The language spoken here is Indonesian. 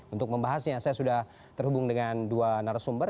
untuk membahasnya saya sudah terhubung dengan dua narasumber